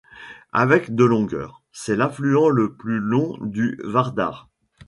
Avec de longueur, c'est l'affluent le plus long du Vardar.